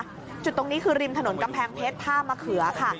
จุดตรงนี้คือริมถนนกำแพงเพชรท่ามะเขือค่ะ